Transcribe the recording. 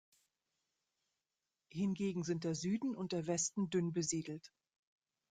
Hingegen sind der Süden und der Westen dünn besiedelt.